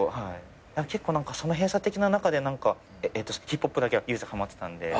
結構その閉鎖的な中でヒップホップだけは唯一ハマってたんで。